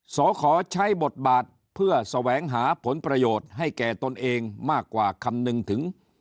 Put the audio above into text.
ขอใช้บทบาทเพื่อแสวงหาผลประโยชน์ให้แก่ตนเองมากกว่าคำนึงถึง